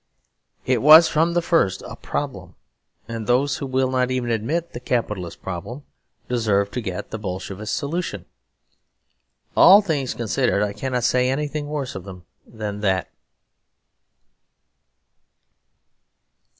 It was from the first a problem; and those who will not even admit the Capitalist problem deserve to get the Bolshevist solution. All things considered, I cannot say anything worse of them than that.